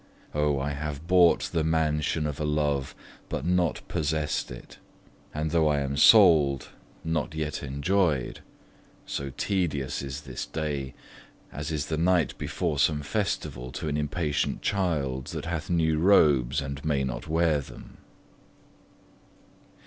O, I have bought the mansion of a love, But not possess'd it; and though I am sold, Not yet enjoy'd: so tedious is this day, As is the night before some festival To an impatient child, that hath new robes, And may not wear them.